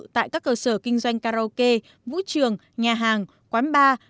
tại các cơ sở kinh doanh karaoke vũ trường nhà hàng quán bar